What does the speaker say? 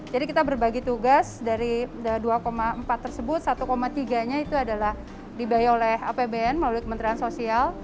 jadi kita berbagi tugas dari dua empat tersebut satu tiga nya itu adalah dibayar oleh apbn melalui kementerian sosial